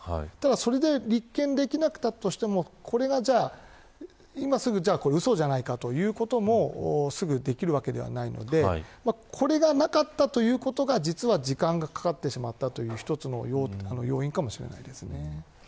それで立件できなかったとしてもうそじゃないかということもすぐにできるわけではないのでこれがなかったということが時間がかかってしまったという一つの要因かもしれません。